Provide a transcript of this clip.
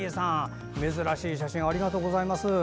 珍しい写真をありがとうございます。